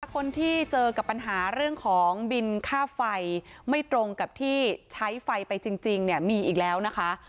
คนที่เจอกับปัญหาเรื่องของบินค่าไฟไม่ตรงกับที่ใช้ไฟไปจริงเนี่ยมีอีกแล้วนะคะ